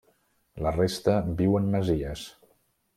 La resta viu en masies.